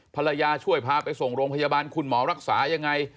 ภรรยาช่วยพาไปส่งโรงพยาบาลคุณหมอรักษายังไง